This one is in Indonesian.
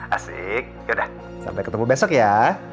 asik yaudah sampai ketemu besok ya